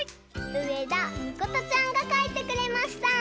うえだみことちゃんがかいてくれました！